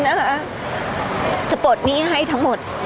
พี่ตอบได้แค่นี้จริงค่ะ